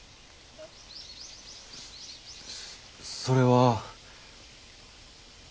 そそれは。